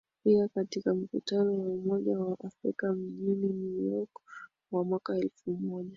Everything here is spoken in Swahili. pia katika Mkutano wa Umoja wa Afrika mjini New York wa mwaka elfu moja